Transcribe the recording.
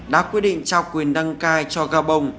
đã quyết định trao quyền đăng cai cho gabon